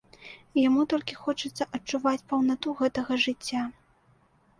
Яму толькі хочацца адчуваць паўнату гэтага жыцця.